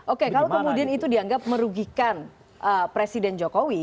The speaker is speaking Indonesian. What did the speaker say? oke kalau kemudian itu dianggap merugikan presiden jokowi